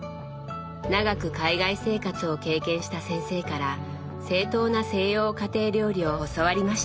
長く海外生活を経験した先生から正統な西洋家庭料理を教わりました。